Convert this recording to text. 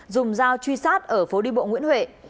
dùng dao truy sát ở phố đi bộ nguyễn huệ